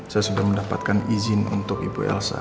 saya sudah mendapatkan izin untuk ibu elsa